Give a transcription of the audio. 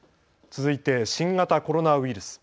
続いて新型コロナウイルス。